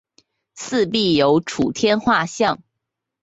四壁有诸天画像。